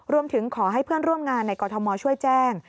รวมถึงขอให้เพื่อนร่วมงานในกรทมช่วยแจ้ง